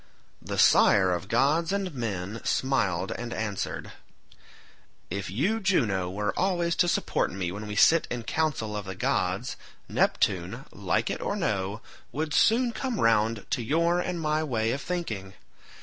The sire of gods and men smiled and answered, "If you, Juno, were always to support me when we sit in council of the gods, Neptune, like it or no, would soon come round to your and my way of thinking.